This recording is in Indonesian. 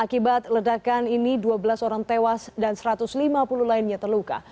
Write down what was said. akibat ledakan ini dua belas orang tewas dan satu ratus lima puluh lainnya terluka